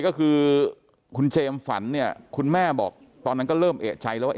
ก็คือคุณเจมส์ฝันเนี่ยคุณแม่บอกตอนนั้นก็เริ่มเอกใจแล้วว่า